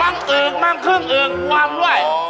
มังอึกมังเครื่องอึกวางด้วย